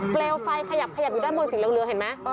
เปลวไฟขยับอยู่ด้านบนสีเรืองเมื่อเห็นมั้ย